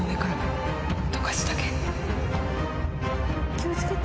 気を付けて。